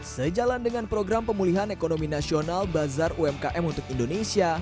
sejalan dengan program pemulihan ekonomi nasional bazar umkm untuk indonesia